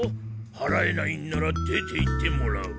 はらえないんなら出ていってもらう。